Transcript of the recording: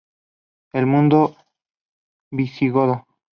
El mundo visigodo.